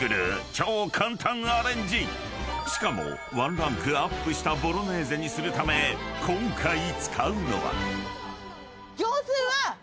［しかも１ランクアップしたボロネーゼにするため今回使うのは］